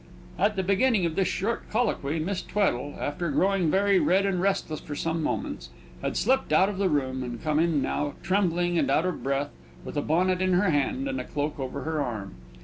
At the beginning of this short colloquy Miss Tweddle, after growing very red and restless for some moments, had slipped out of the room, and came in now, trembling and out of breath, with a bonnet in her hand and a cloak over her arm.